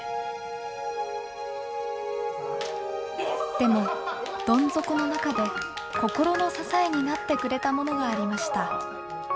でもどん底の中で心の支えになってくれたものがありました。